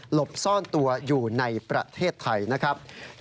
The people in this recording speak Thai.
หลบซ่อนตัวอยู่ในประเทศไทย